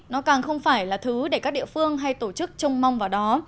nó càng không phải là thứ để các địa phương hay tổ chức trông mong vào đó